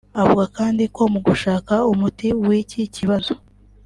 Avuga kandi ko mu gushaka umuti w’iki kibazo